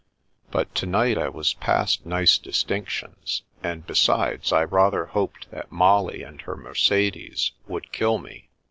But to night I was past nice distinctions, and besides, I rather hoped that Molly and her Mercedes would kill me.